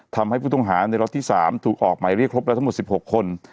ทำให้ผู้ต้องหาในล็อตที่๓ถูกออกหมายเรียกครบแล้วทั้งหมด๑๖คน